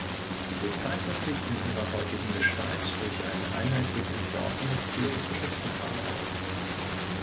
Sie zeichnet sich in ihrer heutigen Gestalt durch ein einheitlich entworfenes theologisches Programm aus.